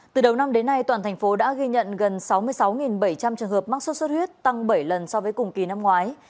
từ đầu năm đến nay toàn thành phố đã ghi nhận gần sáu mươi sáu bảy trăm linh trường hợp mắc sốt xuất huyết tăng bảy lần so với cùng kỳ năm ngoái